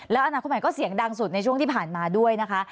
แล้วอนาคตใหม่ก็เสียงดังสุดในช่วงที่ผ่านมาด้วยนะคะ